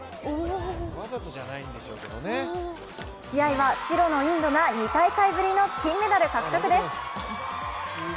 試合は白のインドが２大会ぶりの金メダル獲得です。